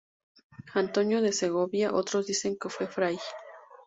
Antonio de Segovia, otros dicen que fue fray.